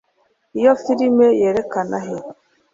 iyo firime yerekana he